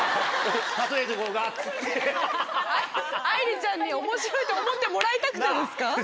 あいりちゃんに面白い！と思ってもらいたくてですか？